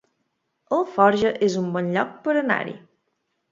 Alforja es un bon lloc per anar-hi